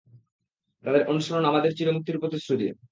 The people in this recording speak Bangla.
তাঁদের অনুসরণ আমাদের চিরমুক্তির প্রতিশ্রুতি।